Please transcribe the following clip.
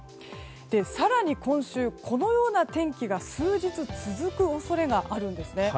更に今週、このような天気が数日続く恐れがあるんですね。